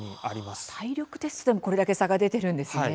体力テストでもこれだけ差が出ているんですね。